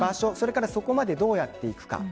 そこまでどうやっていくか